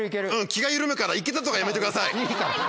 気が緩むから「いけた」とかやめてください。